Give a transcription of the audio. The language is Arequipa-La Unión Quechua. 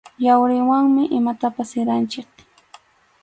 Yawriwanmi imatapas siranchik.